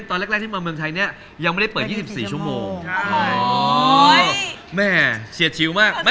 พอมาเมืองไทยกลับเปิด๒๔ชั่วโมงทั้งนั้นนะคะ